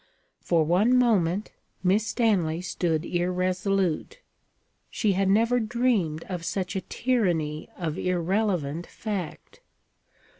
For one moment, Miss Stanley stood irresolute. She had never dreamed of such a tyranny of irrelevant fact.